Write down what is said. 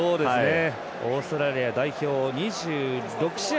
オーストラリア代表２６試合